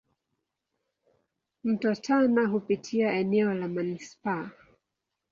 Mto Tana hupitia eneo la manispaa.